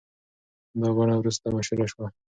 دا بڼه وروسته مشهوره شوه.